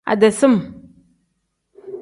Ade sim.